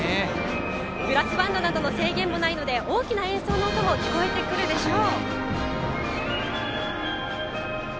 ブラスバンドなどの制限もないので大きな演奏の音も聞こえてくるでしょう。